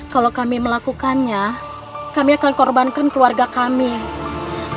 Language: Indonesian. kalau kami melakukannya kami akan korbankan keluarga kami